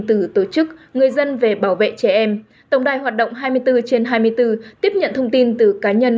từ tổ chức người dân về bảo vệ trẻ em tổng đài hoạt động hai mươi bốn trên hai mươi bốn tiếp nhận thông tin từ cá nhân